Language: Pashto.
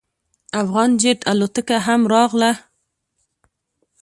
افغان جیټ الوتکه هم راغله.